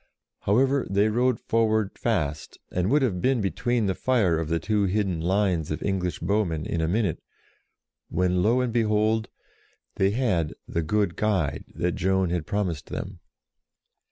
However, they rode forward fast, and would have been between the fire of the two hidden lines of English bowmen in a minute, when, lo and behold! they had "the good guide" that Joan had promised them!